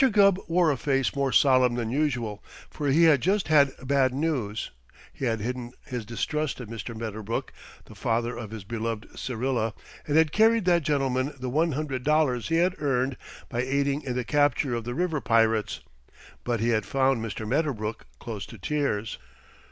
Gubb wore a face more solemn than usual, for he had just had bad news. He had hidden his distrust of Mr. Medderbrook, the father of his beloved Syrilla, and had carried that gentleman the one hundred dollars he had earned by aiding in the capture of the river pirates, but he had found Mr. Medderbrook close to tears.